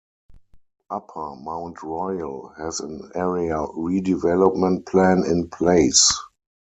Upper Mount Royal has an area redevelopment plan in place.